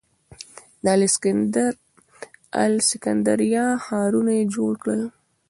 د الکسندریه ښارونه یې جوړ کړل